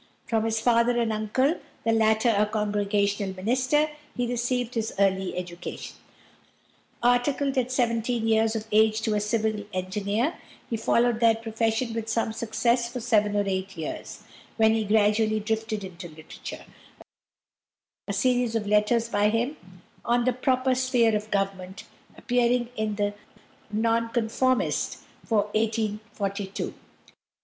From his father and uncle, the latter a Congregational minister, he received his early education. Articled at seventeen years of age to a civil engineer, he followed that profession with some success for seven or eight years, when he gradually drifted into literature a series of letters by him "On the Proper Sphere of Government" appearing in the Nonconformist for 1842.